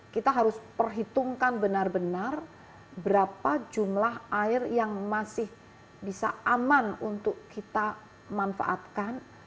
kita harus perhitungkan benar benar berapa jumlah air yang masih bisa aman untuk kita manfaatkan